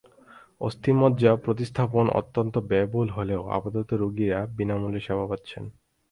অস্থিমজ্জা প্রতিস্থাপন অত্যন্ত ব্যয়বহুল হলেও আপাতত রোগীরা বিনা মূল্যে সেবা পাচ্ছেন।